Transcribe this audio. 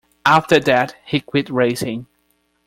After that, he quit racing.